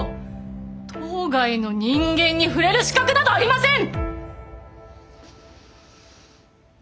島外の人間に触れる資格などありません！